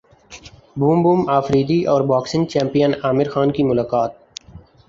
boom boom Afridi اور boxing champion Aamir Khan کی ملاقات